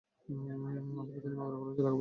অতঃপর তিনি মাগুরা কলেজে লেখাপড়া করেন।